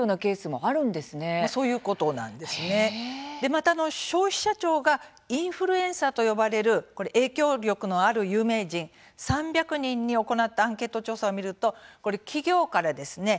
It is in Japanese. また消費者庁がインフルエンサーと呼ばれる影響力のある有名人３００人に行ったアンケート調査を見ると企業からですね